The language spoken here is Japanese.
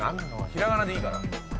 ひらがなでいいから。